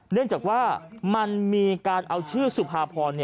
เนื่องจากว่ามันมีการเอาชื่อสุภาพร